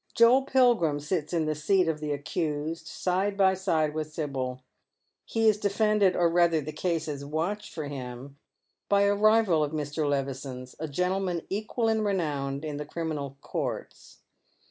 Joel Pilgrim sits in the seat of the accused, side by side with Sibyl. He is de fended — or rather, the case is watched for him — by a rival of Mr. Levison's, a gentleman equal in renown in the criminal courts.